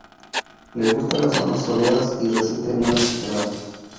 Le gusta las zonas soleadas y resiste bien la sequedad.